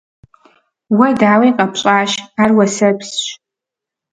Уэ, дауи, къэпщӀащ — ар уэсэпсщ.